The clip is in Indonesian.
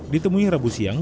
ditemui rabu siang